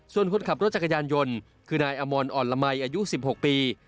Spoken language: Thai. ส่วนคนขับรถจักรยานยนต์คือนายอมรอ่อนละมัยอายุ๑๖ปี